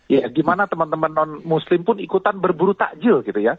ya gimana teman teman non muslim pun ikutan berburu takjil gitu ya